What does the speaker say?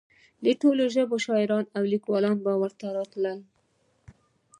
د ټولو ژبو شاعران او لیکوال ورته راتلل.